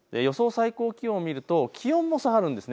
最高気温を見ると気温も下がるんです。